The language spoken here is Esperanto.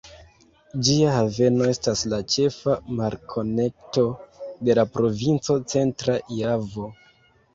Ĝia haveno estas la ĉefa mar-konekto de la provinco Centra Javo.